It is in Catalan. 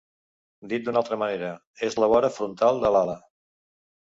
Dit d'una altra manera, és la vora frontal de l'ala.